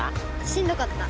しんどかった。